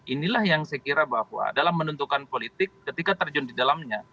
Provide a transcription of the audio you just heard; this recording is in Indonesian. inilah yang saya kira bahwa dalam menentukan politik ketika terjun di dalamnya